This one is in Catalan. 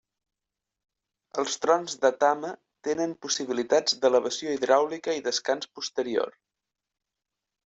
Els trons de Tama tenen possibilitats d'elevació hidràulica i descans posterior.